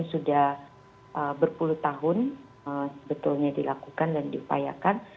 sudah berpuluh tahun sebetulnya dilakukan dan diupayakan